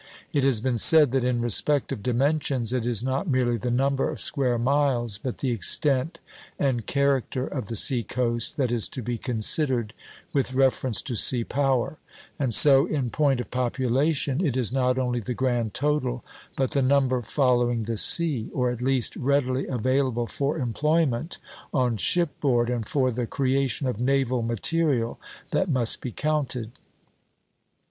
It has been said that in respect of dimensions it is not merely the number of square miles, but the extent and character of the sea coast that is to be considered with reference to sea power; and so, in point of population, it is not only the grand total, but the number following the sea, or at least readily available for employment on ship board and for the creation of naval material, that must be counted.